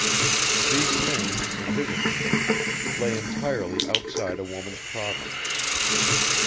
These things, in his opinion, lay entirely outside a woman's province.